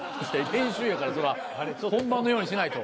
練習やからそら本番のようにしないと。